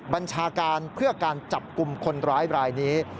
บัญชาการเพื่อการจับกลุ่มคนร้ายรายนี้